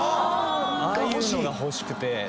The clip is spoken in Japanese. ああいうのが欲しくて。